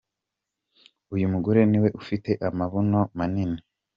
Uyu mugore niwe ufite amabuno manini.